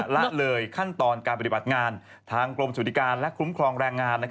ละเลยขั้นตอนการปฏิบัติงานทางกรมสวัสดิการและคุ้มครองแรงงาน